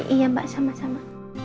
iya mbak sama sama